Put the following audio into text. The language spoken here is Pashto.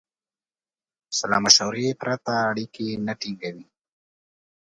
سلامشورې پرته اړیکې نه ټینګوي.